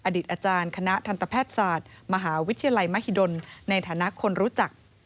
อดีตอาจารย์คณะทันตแพทย์ศาสตร์มหาวิทยาลัยมหิดลในฐานะคนรู้จัก